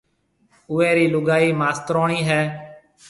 اوئيَ رِي لوگائي ماستروڻِي ھيََََ